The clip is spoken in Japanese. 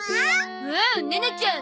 おおネネちゃん。